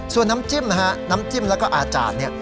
ส่วนน้ำจิ้มนะฮะน้ำจิ้มแล้วก็อาจารย์เนี่ย